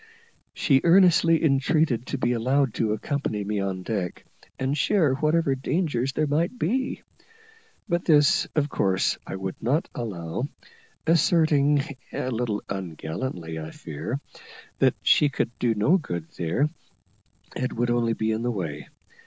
She earnestly entreated to be allowed to accompany me on deck, and share whatever danger there might be, but this of course I would not allow, asserting, a little ungallantly, I fear, that she could do no good there, and would only be in the way.